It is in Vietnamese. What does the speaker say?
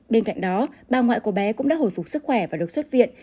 bên cạnh đó bà ngoại của bé cũng đã hồi phục sức khỏe và được xuất viện